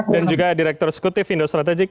dan juga direktur sekutif indostrategik